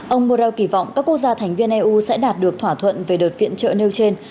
ông moraw kỳ vọng các quốc gia thành viên eu sẽ đạt được thỏa thuận về đợt viện trợ nêu trên